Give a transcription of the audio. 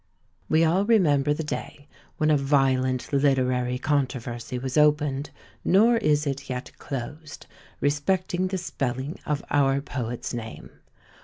We all remember the day when a violent literary controversy was opened, nor is it yet closed, respecting the spelling of our poet's name.